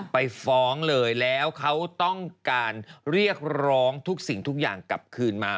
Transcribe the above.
ไปฟ้องเลยแล้วเขาต้องการเรียกร้องทุกสิ่งทุกอย่างกลับคืนมา